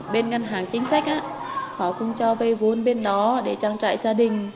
bên ngân hàng chính sách họ cũng cho vay vốn bên đó để trang trại gia đình